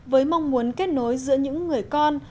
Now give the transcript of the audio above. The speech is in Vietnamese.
với mong muốn kết nối giữa những người con